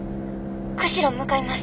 釧路向かいます。